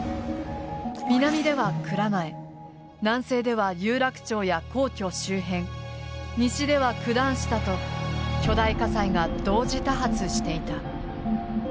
南では蔵前南西では有楽町や皇居周辺西では九段下と巨大火災が同時多発していた。